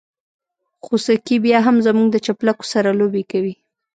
خوسکي بيا هم زموږ د چپلکو سره لوبې کوي.